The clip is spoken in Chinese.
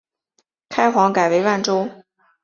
开皇改为万州。